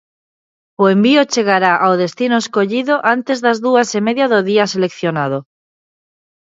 O envío chegará ao destino escollido antes das dúas e media do día seleccionado.